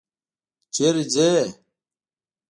چیرته ځئ؟